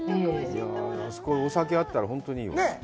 あそこへお酒があったら、本当にいいわ。